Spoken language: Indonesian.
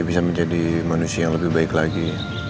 bisa menjadi manusia yang lebih baik lagi